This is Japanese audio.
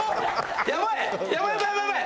やばい！